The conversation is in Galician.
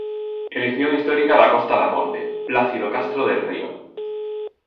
Elección histórica da Costa da Morte: Plácido Castro del Río.